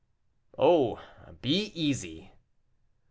"Oh! be easy."